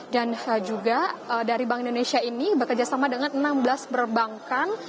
dan juga dari bank indonesia ini bekerjasama dengan enam belas perbankan